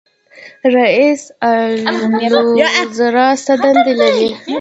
رئیس الوزرا څه دندې لري؟